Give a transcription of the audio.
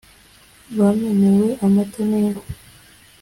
“bamenewe amata ni nka